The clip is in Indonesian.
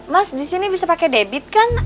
mas di sini bisa pakai debit kan